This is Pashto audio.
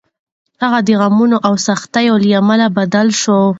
هغه د غمونو او سختیو له امله بدله شوه.